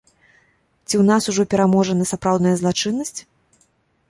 Ці ў нас ужо пераможана сапраўдная злачыннасць?